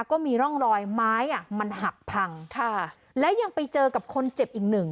ก็มีร่องรอยไม้อ่ะมันหักพังค่ะแล้วยังไปเจอกับคนเจ็บอีกหนึ่ง